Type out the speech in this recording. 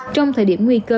trong thời điểm nguy cơ